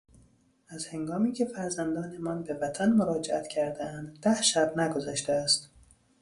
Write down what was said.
از هنگامی که فرزندانمان به وطن مراجعت کردهاند ده شب نگذشته است.